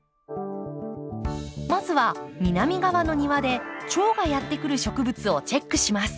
まずは南側の庭でチョウがやって来る植物をチェックします。